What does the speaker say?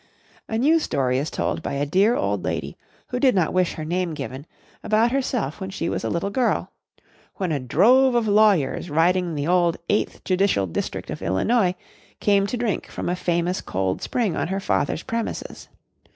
A new story is told by a dear old lady, who did not wish her name given, about herself when she was a little girl, when a "drove of lawyers riding the old Eighth Judicial District of Illinois," came to drink from a famous cold spring on her father's premises.